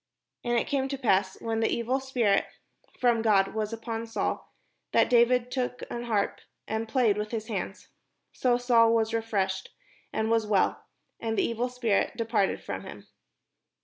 And it came to pass, when the evil spirit from 546 THE SHEPHERD BOY WHO BECAME KING God was upon Saul, that David took an haqD, and played with his hand: so Saul was refreshed, and was well, and the evil spirit departed from him.